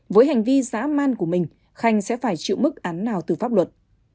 với hành vi giã man của mình khanh sẽ phải chịu mức án nào từ pháp luật